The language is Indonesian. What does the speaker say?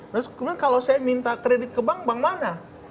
terus kemudian kalau saya minta kredit ke bank bank mana